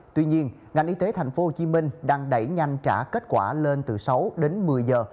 tuy nhiên ngành y tế tp hcm đang đẩy nhanh trả kết quả lên từ sáu đến một mươi giờ